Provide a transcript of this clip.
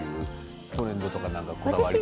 トレンドとかこだわりが。